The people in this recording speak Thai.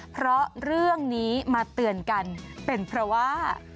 เพราะเรื่องนี้มาเตือนกันเป็นเพราะว่า